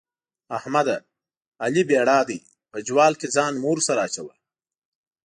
احمده؛ علي بېړا دی - په جوال کې ځان مه ورسره اچوه.